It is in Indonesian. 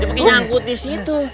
dia bikin nyangkut di situ